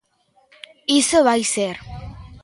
Iso vai ser.